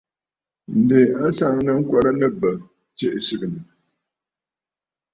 Ǹdè a nsaŋnə ŋkwɛrə nɨ̂ bə̂ tsiʼì sɨgɨ̀nə̀.